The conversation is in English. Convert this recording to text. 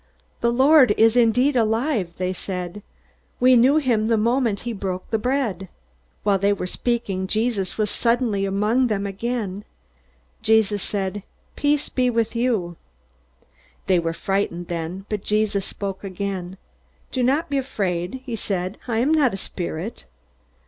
"The Lord is indeed alive!" they said. "We knew him the moment he broke the bread!" While they were speaking, Jesus was suddenly among them once again. Jesus said, "Peace be with you." They were frightened then, but Jesus spoke again. "Do not be afraid," he said. "I am not a spirit."